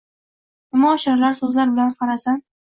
imo-ishoralar, soʻzlar bilan farazan